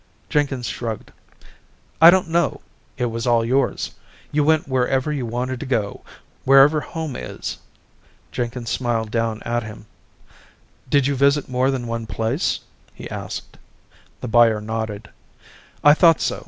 Jenkins shrugged. "I don't know. It was all yours. You went wherever you wanted to go, wherever home is." Jenkins smiled down at him. "Did you visit more than one place?" he asked. The buyer nodded. "I thought so.